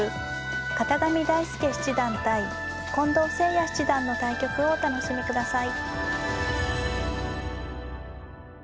片上大輔七段対近藤誠也七段の対局をお楽しみください。